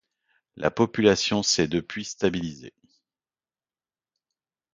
La population s'est depuis stabilisée.